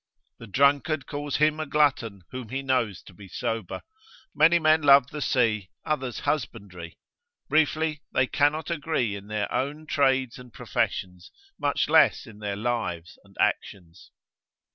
The drunkard calls him a glutton whom he knows to be sober. Many men love the sea, others husbandry; briefly, they cannot agree in their own trades and professions, much less in their lives and actions.